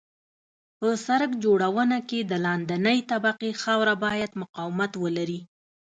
په سرک جوړونه کې د لاندنۍ طبقې خاوره باید مقاومت ولري